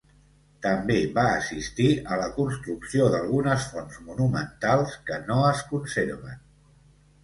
També va assistir a la construcció d'algunes fonts monumentals, que no es conserven.